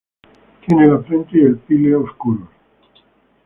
Tiene la frente y el píleo oscuros.